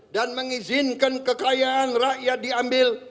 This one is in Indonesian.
dan mengizinkan kekayaan rakyat diambil